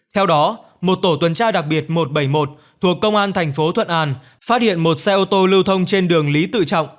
theo đó một tổ tuần tra đặc biệt một trăm bảy mươi một thuộc công an thành phố thuận an phát hiện một xe ô tô lưu thông trên đường lý tự trọng